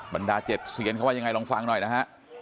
บรรดา๗เซียนเขาว่ายังไงลองฟังหน่อยนะฮะ